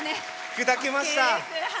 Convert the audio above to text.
砕けました。